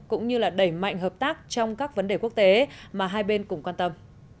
cũng như là đẩy mạnh hợp tác trong các vấn đề quốc tế mà hai bên cũng quan tâm